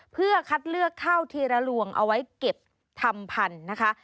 เพื่อคัดเลือกข้าวทีละลวงเอาไว้เก็บทำพันธุ์นะคะ